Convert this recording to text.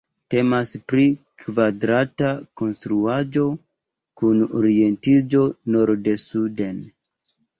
Temas pri kvadrata konstruaĵo kun orientiĝo norde-suden.